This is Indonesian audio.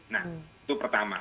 nah itu pertama